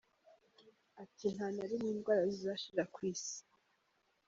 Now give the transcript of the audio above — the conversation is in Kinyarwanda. Ati “Nta na rimwe indwara zizashira ku isi.